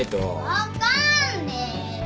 分かんねえよ！